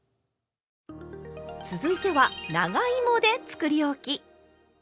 続いては長芋でつくりおき。